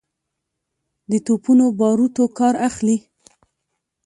د توپونو باروتو کار اخلي.